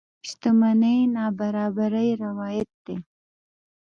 شتمنۍ نابرابرۍ روايت دي.